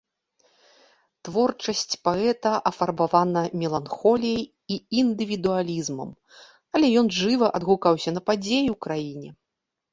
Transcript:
Творчасць паэта афарбавана меланхоліяй і індывідуалізмам, але ён жыва адгукаўся на падзеі ў краіне.